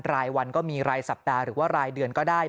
รายวันก็มีรายสัปดาห์หรือว่ารายเดือนก็ได้